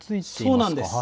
そうなんです。